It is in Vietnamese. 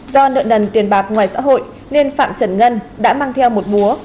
do nợ nần tiền bạc ngoài xã hội nên phạm trần ngân đã mang theo một múa